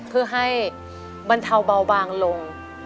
เพื่อให้บรรเทาเบาบางลง